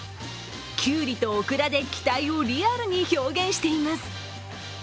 きゅうりとオクラで機体をリアルに表現しています。